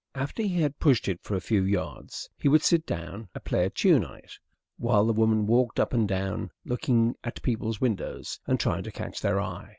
After he had pushed it for a few yards he would sit down and play a tune on it, while the woman walked up and down, looking at people's windows and trying to catch their eye.